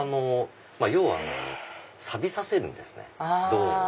要はさびさせるんですね銅を。